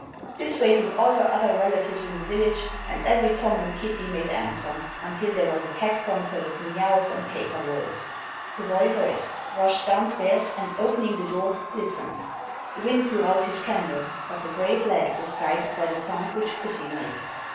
This wakened all her other relatives in the village and every Tom and Kitty made answer, until there was a cat concert of meouws and caterwauls. The boy heard, rushed down stairs, and, opening the door, listened. The wind blew out his candle, but the brave lad was guided by the sound which Pussy made.